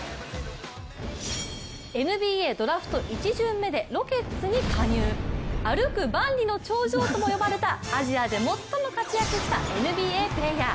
ＮＢＡドラフト１巡目でロケッツに加盟、歩く万里の長城とも呼ばれたアジアで最も活躍したＮＢＡプレーヤー。